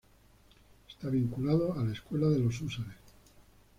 Está vinculado a la escuela de los Húsares.